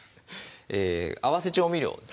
合わせ調味料ですね